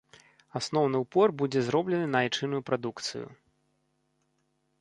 Асноўны ўпор будзе зроблены на айчынную прадукцыю.